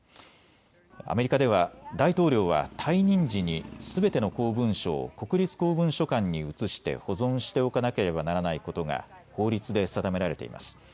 アメリカでは大統領は退任時にすべての公文書を国立公文書館に移して保存しておかなければならないことが法律で定められています。